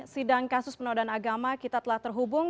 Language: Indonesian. sidang kasus penodaan agama kita telah terhubung